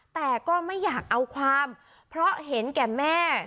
แต่ก็ไม่อยากเอาความเพราะเห็นแก่แม่